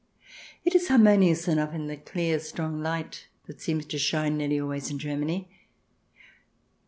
It is harmonious enough in the clear, strong light that seems to shine nearly always in Germany.